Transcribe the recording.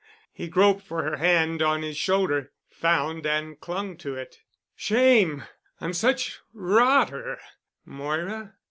He groped for her hand on his shoulder, found and clung to it. "Shame I'm such rotter, Moira.